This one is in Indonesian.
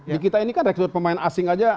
di kita ini kan rekrut pemain asing aja